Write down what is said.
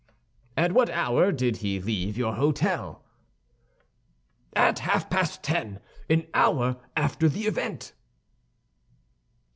"At what hour did he leave your hôtel?" "At half past ten—an hour after the event."